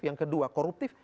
yang kedua koruptif